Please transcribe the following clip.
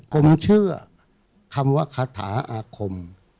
ผมเชื่อคำว่าคาถาอาคม